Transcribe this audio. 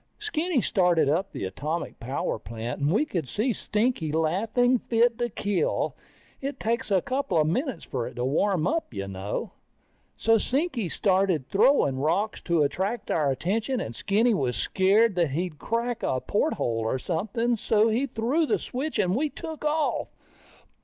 Skinny started up the atomic power plant, and we could see Stinky laughing fit to kill. It takes a couple of minutes for it to warm up, you know. So Stinky started throwing rocks to attract our attention, and Skinny was scared that he'd crack a porthole or something, so he threw the switch and we took off.